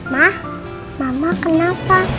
mah mama kenapa